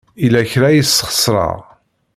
Yella kra ay sxeṣreɣ.